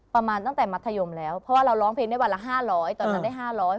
เพราะว่าเราร้องเพลงได้วันละ๕๐๐ตอนนั้นได้๕๐๐๖๐๐